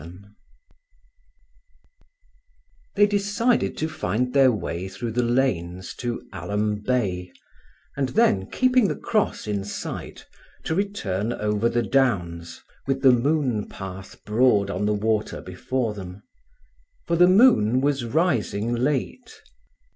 XI They decided to find their way through the lanes to Alum Bay, and then, keeping the cross in sight, to return over the downs, with the moon path broad on the water before them. For the moon was rising late.